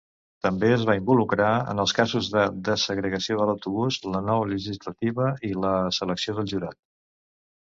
També es va involucrar en els casos de desegreació de l'autobús, la nou legislativa i la selecció del jurat.